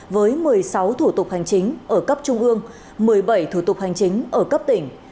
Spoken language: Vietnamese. với một mươi sáu thủ tục hành chính ở cấp trung ương một mươi bảy thủ tục hành chính ở cấp tỉnh